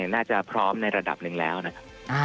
น่าจะพร้อมในระดับหนึ่งแล้วนะครับ